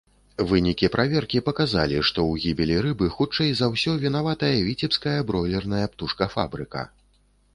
Вынікі праверкі паказалі, што ў гібелі рыбы хутчэй за ўсё вінаватая віцебская бройлерная птушкафабрыка.